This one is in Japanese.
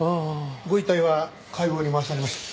ご遺体は解剖に回されました。